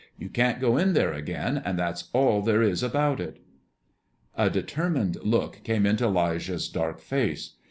"You can't go in there again, and that's all there is about it." A determined look came into 'Lijah's dark face.